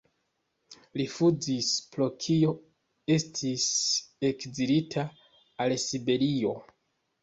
Rifuzis, pro kio estis ekzilita al Siberio.